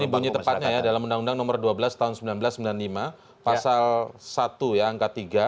ini bunyi tepatnya ya dalam undang undang nomor dua belas tahun seribu sembilan ratus sembilan puluh lima pasal satu ya angka tiga